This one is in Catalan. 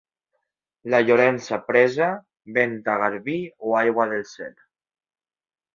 La Llorença presa, vent a garbí o aigua del cel.